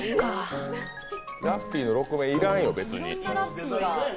ラッピーの６面、いらんよ、別に。